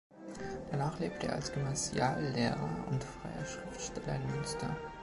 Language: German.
Danach lebte er als Gymnasiallehrer und freier Schriftsteller in Münster.